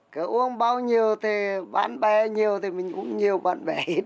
cứ uống bao nhiêu thì bạn bè nhiều thì mình cũng nhiều bạn bè hết